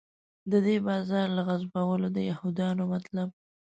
د دې بازار له غصبولو د یهودانو مطلب.